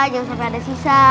jangan sampai ada sisa